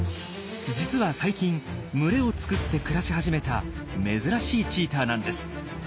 実は最近群れを作って暮らし始めた珍しいチーターなんです。